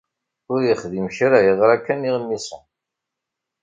Ur yexdim kra, yeɣra kan iɣmisen.